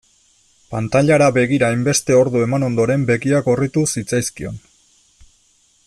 Pantailara begira hainbeste ordu eman ondoren begiak gorritu zitzaizkion.